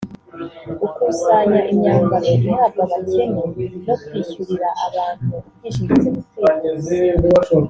gukusanya imyambaro ihabwa abakene no kwishyurira abantu ubwishingizi mu kwivuza